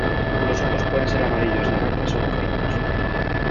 Los ojos pueden ser amarillos, naranjas o rojizos.